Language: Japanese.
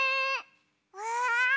うわ！